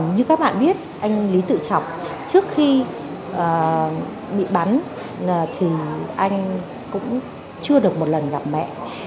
như các bạn biết anh lý tự trọng trước khi bị bắn thì anh cũng chưa được một lần gặp mẹ